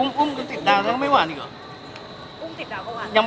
อุ้มติดดาวก็หวาน